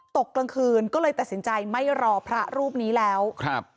กลางคืนก็เลยตัดสินใจไม่รอพระรูปนี้แล้วครับ